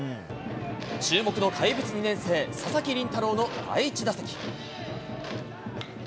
注目の怪物２年生、佐々木麟太郎の第１打席。